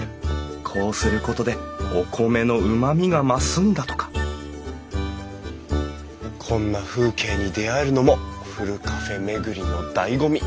こうすることでお米のうまみが増すんだとかこんな風景に出会えるのもふるカフェ巡りのだいご味！